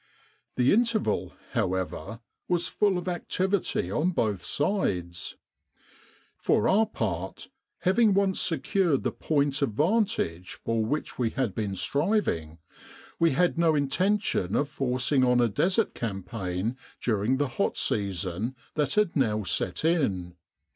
The interval, however, was full of activity on both sides. For our part, having once secured the point of vantage for which we had been striving, we had no intention of forcing on a Desert campaign during the hot season that had now set in.